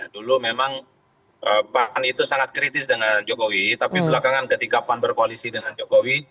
dulu memang pan itu sangat kritis dengan jokowi tapi belakangan ketika pan berkoalisi dengan jokowi